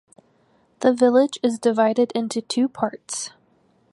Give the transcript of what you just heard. The village is divided into two parts.